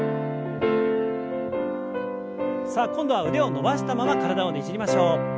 さあ今度は腕を伸ばしたまま体をねじりましょう。